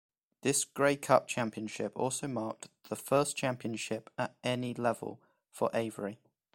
This Grey Cup championship also marked the first championship at any level for Avery.